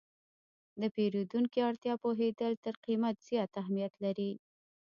د پیرودونکي اړتیا پوهېدل تر قیمت زیات اهمیت لري.